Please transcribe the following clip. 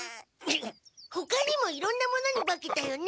ほかにもいろんなものに化けたよね。